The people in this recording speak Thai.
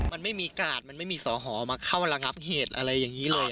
มันไม่มีกาดมันไม่มีสอหอมาเข้าระงับเหตุอะไรอย่างนี้เลย